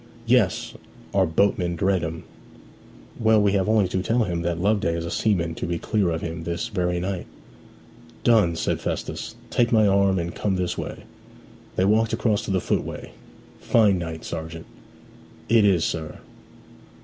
'Yes. Our boatmen dread 'em.' 'Well, we have only to tell him that Loveday is a seaman to be clear of him this very night.' 'Done!' said Festus. 'Take my arm and come this way.' They walked across to the footway. 'Fine night, sergeant.' 'It is, sir.'